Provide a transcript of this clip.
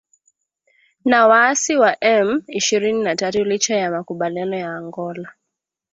na waasi wa M ishirini na tatu licha ya makubaliano ya Angola